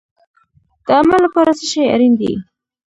د عمل لپاره څه شی اړین دی؟